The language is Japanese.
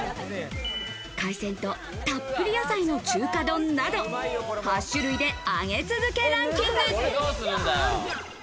海鮮とたっぷり野菜の中華丼など、８種類で上げ続けランキング。